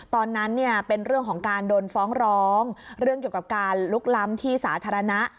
ตอนนั้นเนี่ยเป็นเรื่องของการโดนฟ้องร้องเรื่องเกี่ยวกับการลุกล้ำที่สาธารณะ